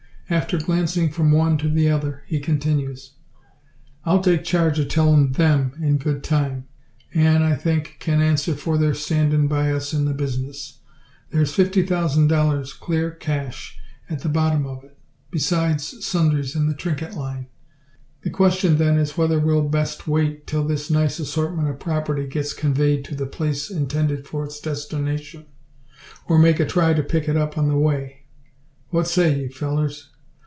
After glancing from one to the other, he continues "I'll take charge o' tellin' them in good time; an', I think, can answer for their standin' by us in the bizness. Thar's fifty thousand dollars, clar cash, at the bottom of it; besides sundries in the trinket line. The question then is, whether we'd best wait till this nice assortment of property gets conveyed to the place intended for its destination, or make a try to pick it up on the way. What say ye, fellers?